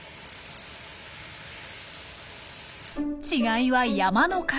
違いは山の数。